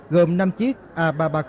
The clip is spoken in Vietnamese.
gồm năm chiếc a ba trăm ba mươi